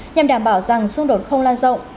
nhằm đảm bảo rằng xung đột không lan rộng